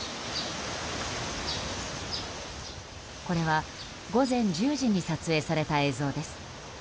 これは午前１０時に撮影された映像です。